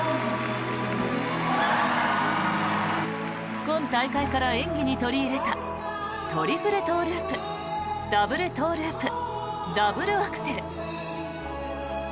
今大会から演技に取り入れたトリプルトウループダブルトウループダブルアクセル。